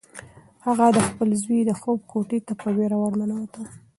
هغه د خپل زوی د خوب کوټې ته په وېره ورننوته.